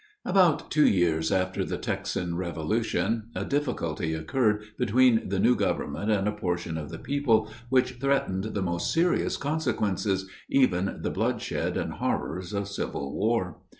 About two years after the Texan revolution, a difficulty occurred between the new government and a portion of the people, which threatened the most serious consequences even the bloodshed and horrors of civil war.